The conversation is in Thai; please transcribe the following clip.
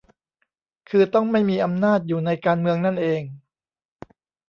คือต้องไม่มีอำนาจอยู่ในการเมืองนั่นเอง